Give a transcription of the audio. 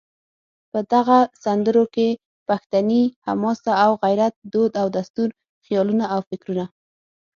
په دغو سندرو کې پښتني حماسه او غیرت، دود او دستور، خیالونه او فکرونه